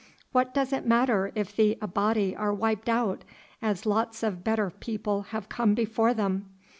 What does it matter if the Abati are wiped out, as lots of better people have been before them?